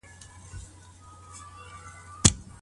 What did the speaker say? آیا په اجر او ثواب کي فرق سته؟